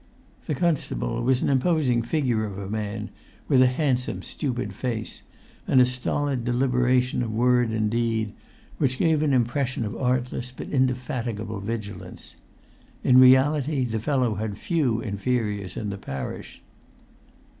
The constable was an imposing figure of a man, with a handsome stupid face, and a stolid deliberation of word and deed which gave an impression of artless but indefatigable vigilance. In reality the fellow had few inferiors in the parish.